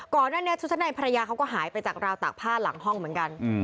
นั้นชุดชั้นในภรรยาเขาก็หายไปจากราวตากผ้าหลังห้องเหมือนกัน